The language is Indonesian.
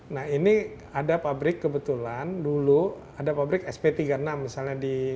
nah ini ada pabrik kebetulan dulu ada pabrik sp tiga puluh enam misalnya di